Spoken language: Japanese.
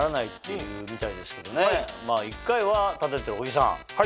１回は建ててる小木さん